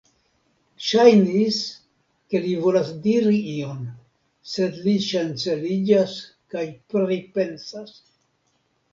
Ŝajnis, ke li volas diri ion, sed li ŝanceliĝas kaj pripensas.